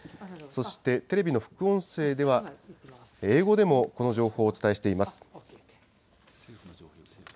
そして、テレビの副音声では、英語でもこの情報をお伝えしています。